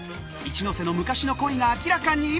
一ノ瀬の昔の恋が明らかに！？